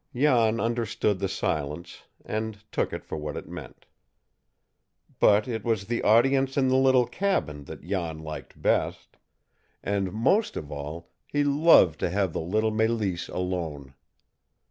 Jan understood the silence, and took it for what it meant. But it was the audience in the little cabin that Jan liked best, and, most of all, he loved to have the little Mélisse alone.